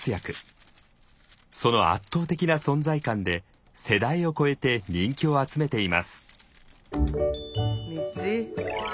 その圧倒的な存在感で世代を超えて人気を集めています。